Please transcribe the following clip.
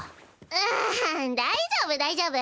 ああ大丈夫大丈夫。